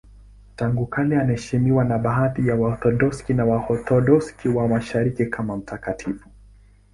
Tangu kale anaheshimiwa na baadhi ya Waorthodoksi na Waorthodoksi wa Mashariki kama mtakatifu.